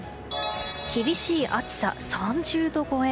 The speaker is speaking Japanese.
厳しい暑さ３０度超え。